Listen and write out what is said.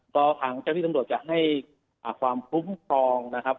ก็ทางเจ้าที่ตำรวจจะให้ความคุ้มครองนะครับ